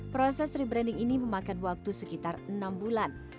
proses rebranding ini memakan waktu sekitar enam bulan